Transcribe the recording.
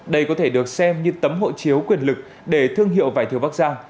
đây có thể được xem như tấm hộ chiếu quyền lực để thương hiệu vải thiều bắc giang